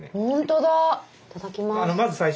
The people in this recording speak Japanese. いただきます。